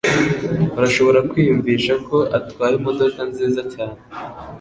Urashobora kwiyumvisha ko atwaye imodoka nziza cyane?